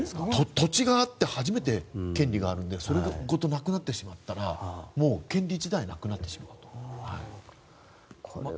土地があって初めて権利があるのでそれごとなくなってしまったら権利自体なくなってしまいます。